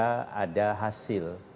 tidak ada hasil